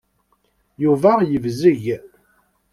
Yuba yebzeg.